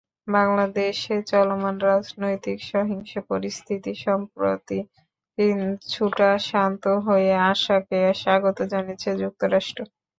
বাংলাদেশে চলমান রাজনৈতিক সহিংস পরিস্থিতি সম্প্রতি কিছুটা শান্ত হয়ে আসাকে স্বাগত জানিয়েছে যুক্তরাষ্ট্র।